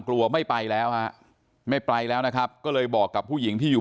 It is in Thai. กลัวไม่ไปแล้วฮะไม่ไปแล้วนะครับก็เลยบอกกับผู้หญิงที่อยู่